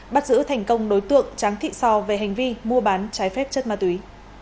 bắt giữ thành công đối tượng tráng thị sò về hành vi mua bán trái phép chất ma túy